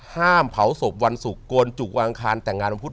ห้ามเผาศพวันศุกรจุกวางคารแต่งงานมันพุทธ